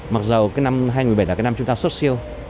mặc dù cái năm hai nghìn một mươi bảy là cái năm chúng ta xuất siêu